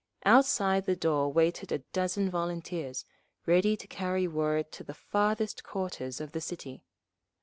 Outside the door waited a dozen volunteers, ready to carry word to the farthest quarters of the city.